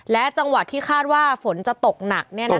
และจังหวัดที่คาดว่าฝนจะตกหนักเนี่ยนะคะ